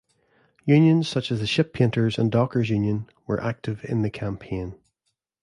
Unions such as the Ship Painters and Dockers Union were active in the campaign.